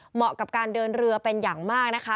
เหมาะกับการเดินเรือเป็นอย่างมากนะคะ